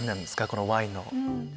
このワインの。